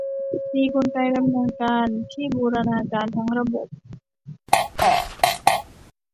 มีกลไกดำเนินการที่บูรณาการทั้งระบบ